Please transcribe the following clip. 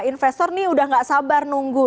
investor ini udah nggak sabar nunggu